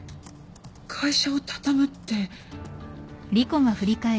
会社を畳むって。